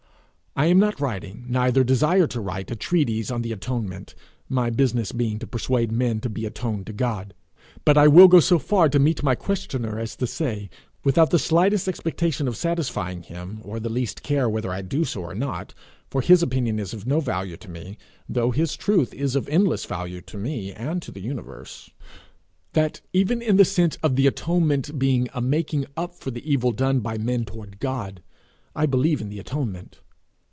I am not writing, neither desire to write, a treatise on the atonement, my business being to persuade men to be atoned to God; but I will go so far to meet my questioner as to say without the slightest expectation of satisfying him, or the least care whether I do so or not, for his opinion is of no value to me, though his truth is of endless value to me and to the universe that, even in the sense of the atonement being a making up for the evil done by men toward God, I believe in the atonement.